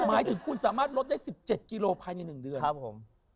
หมายถึงคุณสามารถลดได้๑๗กิโลภายใน๑เดือนครับผม